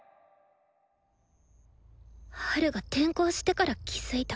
ハルが転校してから気付いた。